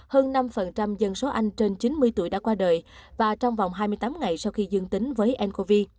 hơn năm dân số anh trên chín mươi tuổi đã qua đời và trong vòng hai mươi tám ngày sau khi dương tính với ncov